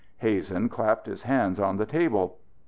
Hazen clapped his hands on the table.